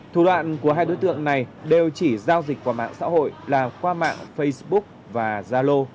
thủ đoạn của hai đối tượng này đều chỉ giao dịch qua mạng xã hội là qua mạng facebook và zalo